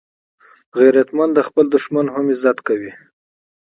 غیرتمند د خپل دښمن هم عزت کوي